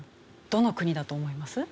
どの国だと思います？